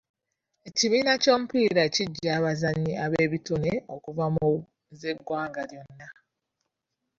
Ekibiina ky'omupiira kiggya abazannyi ab'ebitone okuva mu z'eggwanga lyonna.